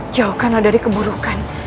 jauhkanlah dari keburukan